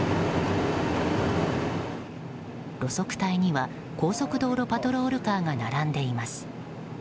路側帯には高速道路パトロールカーが並んでいます。